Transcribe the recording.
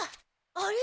あれ？